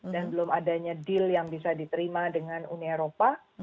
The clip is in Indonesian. dan belum adanya deal yang bisa diterima dengan uni eropa